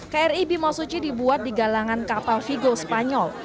kri bimasuci dibuat di galangan kapal vigo spanyol